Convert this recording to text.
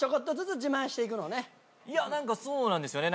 何かそうなんですよね。